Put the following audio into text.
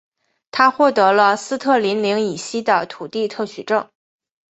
他获得了斯特林岭以西的土地特许状。